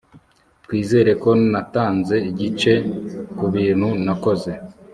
twizere ko natanze igice kubintu nakoze